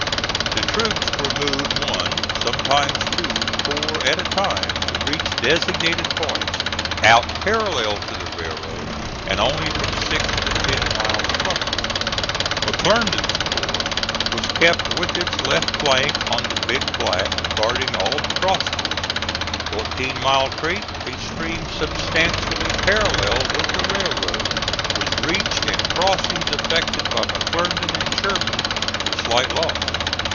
The troops were moved one (sometimes two) corps at a time to reach designated points out parallel to the railroad and only from six to ten miles from it. McClernand's corps was kept with its left flank on the Big Black guarding all the crossings. Fourteen Mile Creek, a stream substantially parallel with the railroad, was reached and crossings effected by McClernand and Sherman with slight loss.